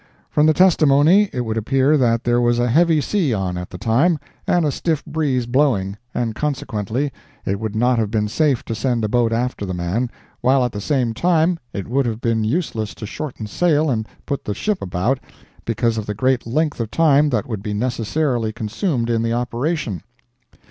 From the testimony, it would appear that there was a heavy sea on at the time, and a stiff breeze blowing, and consequently it would not have been safe to send a boat after the man, while at the same time it would have been useless to shorten sail and put the ship about, because of the great length of time that would necessarily be consumed in the operation.